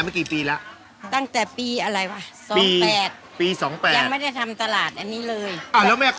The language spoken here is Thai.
มีวิธีดูแลสุขภาพตัวเอง